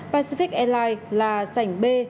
pacific airlines là sành b